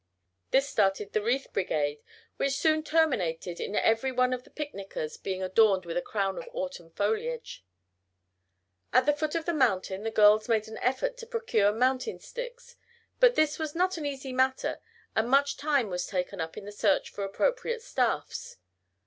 This started the wreath brigade, which soon terminated in every one of the picnickers being adorned with a crown of autumn foliage. At the foot of the mountain the girls made an effort to procure mountain sticks, but this was not an easy matter, and much time was taken up in the search for appropriate staffs.